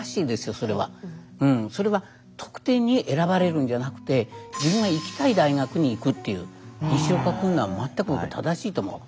それは得点に選ばれるんじゃなくて自分が行きたい大学に行くっていう西岡君のは全く正しいと思う。